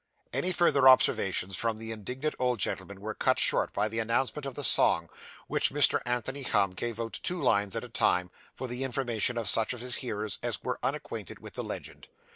Any further observations from the indignant old gentleman were cut short by the announcement of the song, which Mr. Anthony Humm gave out two lines at a time, for the information of such of his hearers as were unacquainted with the legend.